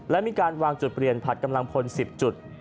และมีการวางจุดเปลี่ยนผัดกำลังพล๑๐จุด